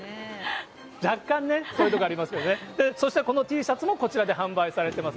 若干ね、そういうところありますけど、そしてこのＴシャツもこちらで販売されてます。